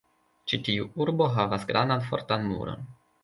Ĉi tiu urbo havas grandan fortan muron.